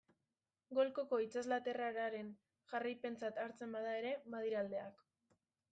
Golkoko itsaslasterraren jarraipentzat hartzen bada ere, badira aldeak.